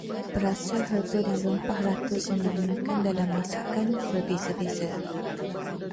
Perasa, herba dan rempah ratus yang digunakan dalam masakan berbeza-beza.